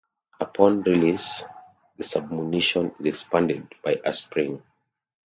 Upon release, the submunition is expanded by a spring.